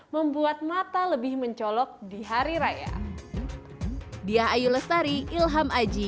membuat mata lebih mencolok di hari raya